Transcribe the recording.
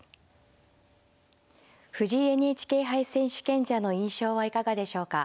藤井ＮＨＫ杯選手権者の印象はいかがでしょうか。